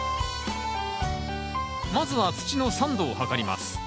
まずは土の酸度を測ります。